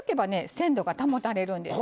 鮮度が保たれるんです。